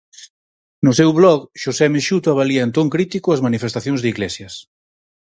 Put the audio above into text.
No seu vlog, Xosé Mexuto avalía en ton crítico as manifestacións de Iglesias.